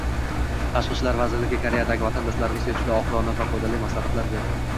Tashqi ishlar vazirligi Koreyadagi vatandoshlarimizga juda oqilona va foydali maslahatlar berdi